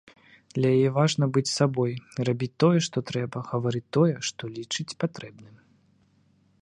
Для яе важна быць сабой, рабіць тое, што трэба, гаварыць тое, што лічыць патрэбным.